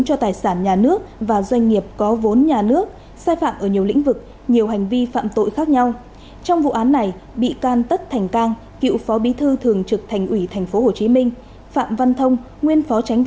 xin chào và hẹn gặp lại trong các video tiếp theo